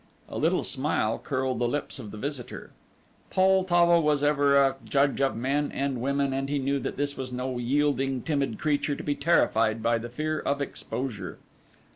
A little smile curled the lips of the visitor. Poltavo was ever a judge of men and women, and he knew that this was no yielding, timid creature to be terrified by the fear of exposure.